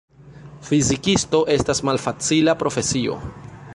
Fizikisto estas malfacila profesio.